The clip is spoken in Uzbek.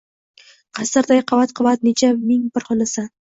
Qasrday qavat-qavat necha ming bir xonasan.